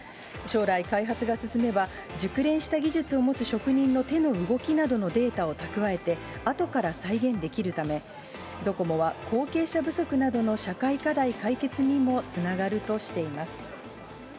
将来、開発が進めば、熟練した技術を持つ職人の手の動きなどのデータを蓄えて、あとから再現できるため、ドコモは、後継者不足などの社会課題解決にもつながるとしています。